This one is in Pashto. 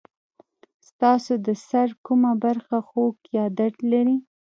ستاسو د سر کومه برخه خوږ یا درد لري؟